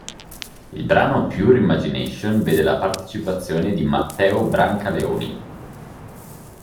Il brano "Pure Imagination" vede la partecipazione di Matteo Brancaleoni